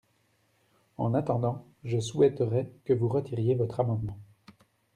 En attendant, je souhaiterais que vous retiriez votre amendement.